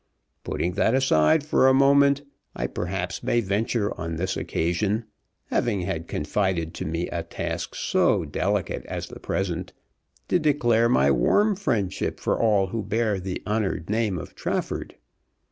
Putting that aside for a moment, I perhaps may venture on this occasion, having had confided to me a task so delicate as the present, to declare my warm friendship for all who bear the honoured name of Trafford.